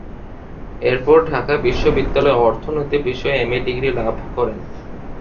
এরপর ঢাকা বিশ্ববিদ্যালয়ে অর্থনীতি বিষয়ে এমএ ডিগ্রী লাভ করেন।